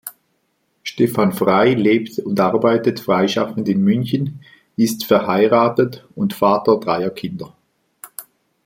Stefan Frey lebt und arbeitet freischaffend in München, ist verheiratet und Vater dreier Kinder.